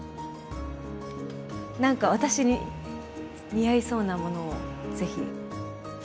何か私に似合いそうなものをぜひ。